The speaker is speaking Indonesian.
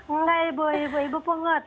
enggak ibu pungut